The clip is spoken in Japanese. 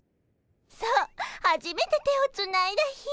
そうはじめて手をつないだ日。